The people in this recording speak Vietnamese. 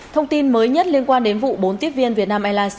thông tin mới nhất liên quan đến vụ bốn tiếp viên vietnam airlines